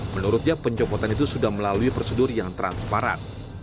menurutnya pencopotan itu sudah melalui prosedur yang transparan